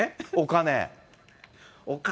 お金。